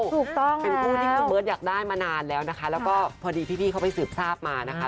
ถูกต้องเป็นคู่ที่คุณเบิร์ตอยากได้มานานแล้วนะคะแล้วก็พอดีพี่เขาไปสืบทราบมานะคะ